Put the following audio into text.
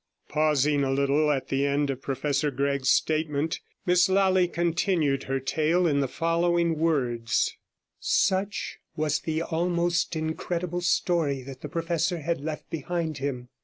Pausing a little at the end of Professor Gregg's statement, Miss Lally continued her tale in the following words: Such was the almost incredible story that the professor had left behind him.